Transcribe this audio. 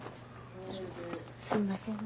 すいませんね。